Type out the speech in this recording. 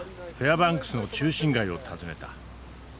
バンクスの中心街を訪ねた。